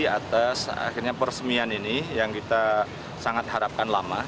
atas akhirnya peresmian ini yang kita sangat harapkan lama